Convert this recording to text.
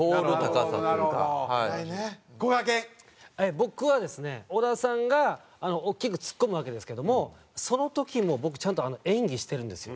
僕はですね小田さんが大きくツッコむわけですけどもその時も僕ちゃんと演技してるんですよ。